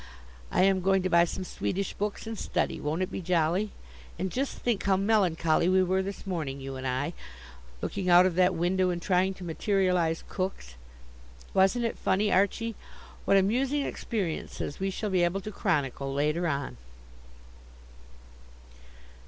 I am going to buy some Swedish books, and study. Won't it be jolly? And just think how melancholy we were this morning, you and I, looking out of that window, and trying to materialize cooks. Wasn't it funny, Archie? What amusing experiences we shall be able to chronicle, later on!"